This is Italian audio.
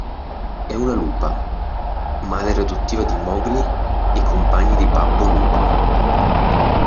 È una lupa, madre adottiva di Mowgli e compagna di Babbo Lupo.